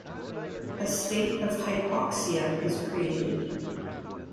A state of hypoxia is created.